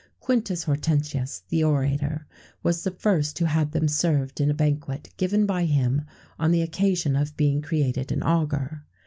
Quintus Hortensius, the orator, was the first who had them served in a banquet given by him on the occasion of being created an augur.